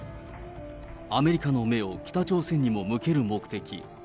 アメリカの目を北朝鮮にも向ける目的。